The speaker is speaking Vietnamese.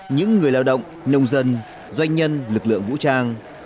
những người lao động nông dân doanh nhân lực lượng vũ trang